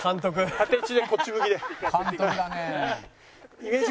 縦位置でこっち向きで。